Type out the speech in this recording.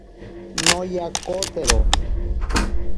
Noyakotero.